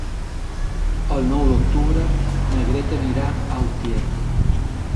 El nou d'octubre na Greta anirà a Utiel.